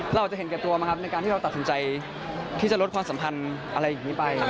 เราจะเห็นแก่ตัวไหมครับในการที่เราตัดสินใจที่จะลดความสัมพันธ์อะไรอย่างนี้ไป